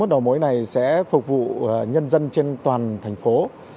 ba mươi một đồng mối này sẽ phục vụ nhân dân trên toàn thành phố